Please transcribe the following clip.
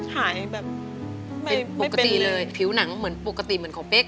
หายแบบเป็นปกติเลยผิวหนังเหมือนปกติเหมือนของเป๊ก